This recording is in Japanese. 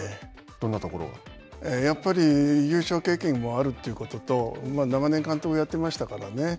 やっぱり優勝経験もあるということと、長年監督をやってましたからね。